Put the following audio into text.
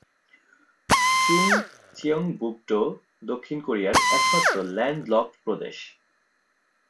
Chungcheongbuk-do দক্ষিণ কোরিয়ার একমাত্র ল্যান্ড-লকড প্রদেশ।